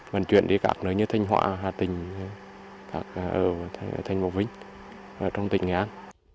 mình chuyển đi các nơi như thanh họa hà tình ở thanh bộ vĩnh ở trong tỉnh nghệ an